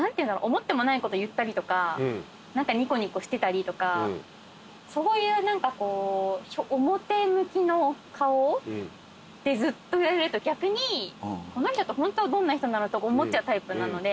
思ってもないこと言ったりとか何かにこにこしてたりとかそういう何か表向きの顔でずっといられると逆にこの人ってホントはどんな人なの？とか思っちゃうタイプなので。